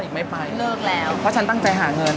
ไม่ไปเลิกแล้วเพราะฉันตั้งใจหาเงิน